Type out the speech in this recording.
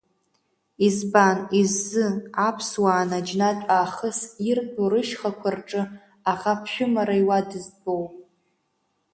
Избан, иззы, аԥсуаа наџьнатә аахыс иртәу рышьхақәа рҿы аӷа ԥшәымара иуа дызтәоу?!